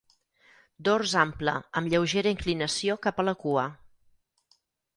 Dors ample amb lleugera inclinació cap a la cua.